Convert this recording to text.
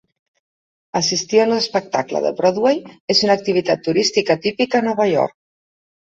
Assistir a un espectacle de Broadway és una activitat turística típica a Nova York.